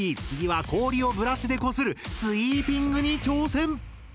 次は氷をブラシでこする「スイーピング」に挑戦！